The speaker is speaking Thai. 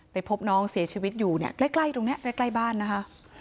พบน้องเสียชีวิตอยู่เนี่ยใกล้ตรงนี้ใกล้บ้านนะคะ